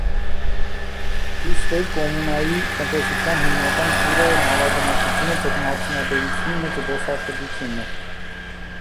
Թյուսվեր կոմունանյի տնտեսության հիմնական ճյուղը նավագնացությունը, ձկնաարդյունաբերությունն ու զբոսաշրջությունն է։